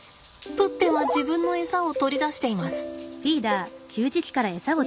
プッペは自分のエサを取り出しています。